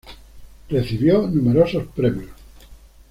Recibió numerosos premios.